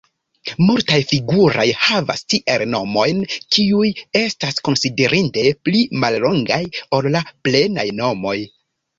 Multaj figuraj havas tiel nomojn, kiuj estas konsiderinde pli mallongaj ol la plenaj nomoj.